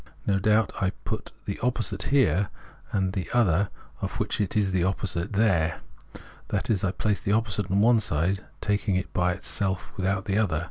No doubt I put the opposite here and the other, of which it is the opposite, there ; that is, I place the opposite on one side, taking it by itself 156 Phenomenology of Mind without the other.